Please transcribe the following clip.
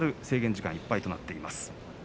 制限時間いっぱいとなっています。